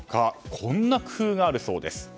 こんな工夫があるそうです。